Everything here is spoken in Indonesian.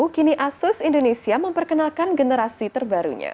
kini asus indonesia memperkenalkan generasi terbarunya